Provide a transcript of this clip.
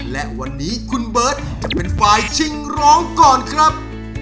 และวันนี้คุณเบิร์ตจะเป็นฝ่ายชิงร้องก่อนครับ